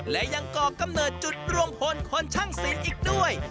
และยังก่อกำเนิดจุดรวมพลคนช่างศิลป์อีกด้วย